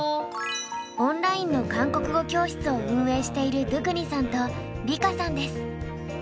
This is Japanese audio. オンラインの韓国語教室を運営しているドゥクニさんと梨花さんです。